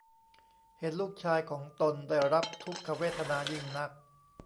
เห็นลูกชายของตนได้รับทุกขเวทนายิ่งนัก